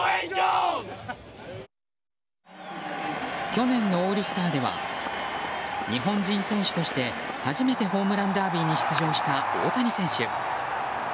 去年のオールスターでは日本人選手として初めてホームランダービーに出場した大谷選手。